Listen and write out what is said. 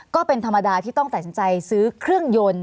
ก็เป็นธรรมดาที่ต้องตัดสินใจซื้อเครื่องยนต์